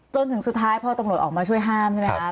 จนถึงสุดท้ายพอตำรวจออกมาช่วยห้ามใช่ไหมคะ